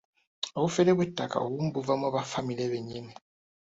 Obufere bw'ettaka obumu buva mu ba ffamire bennyini.